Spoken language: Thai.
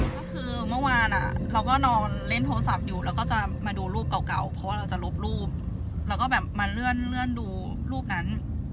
ก็คือเมื่อวานเราก็นอนเล่นโทรศัพท์อยู่แล้วก็จะมาดูรูปเก่าเพราะว่าเราจะลบรูปแล้วก็แบบมาเลื่อนดูรูปนั้น